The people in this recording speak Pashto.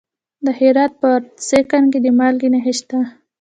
د هرات په ادرسکن کې د مالګې نښې شته.